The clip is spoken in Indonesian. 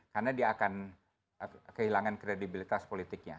karena dia akan kehilangan kredibilitas politiknya